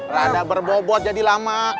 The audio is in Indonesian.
rada berbobot jadi lama